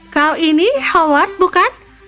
kau ini howard bukan